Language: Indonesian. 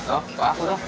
oh pak aku tuh